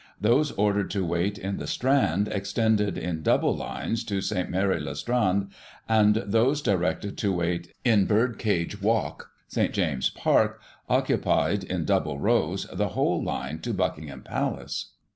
Those ordered to wait in the Strand extended, in double lines, to St. Mary le Strand, and those directed to wait in Bird Cage Walk, St James's Park, occupied (in double rows) the whole line to Buckingham Palace.